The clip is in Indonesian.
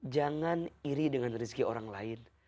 jangan iri dengan rezeki orang lain